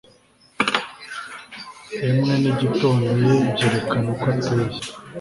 emwe n'ingendo ye byerekana uko ateye